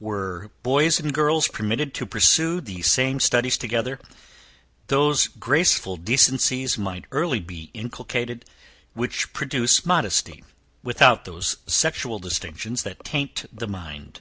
Were boys and girls permitted to pursue the same studies together, those graceful decencies might early be inculcated which produce modesty, without those sexual distinctions that taint the mind.